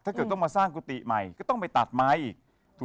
ถ้าเกิดต้องมาสร้างกุฏิใหม่ก็ต้องไปตัดไม้อีก